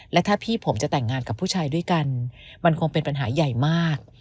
และถ้าพี่ผมจะแต่งงานกับผู้ชายด้วยกันมันคงเป็นปัญหาใหญ่มาก